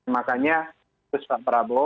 makanya terus pak prabowo